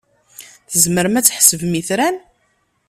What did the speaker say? Tzemrem ad tḥesbem itran?